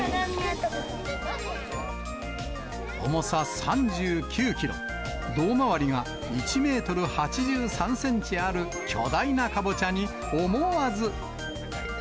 重さ３９キロ、胴回りが１メートル８３センチある巨大なカボチャに、思わず。